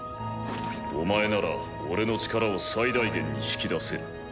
お前なら俺の力を最大限に引き出せる。